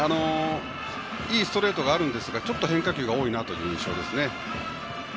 いいストレートがあるんですがちょっと変化球が多い印象です。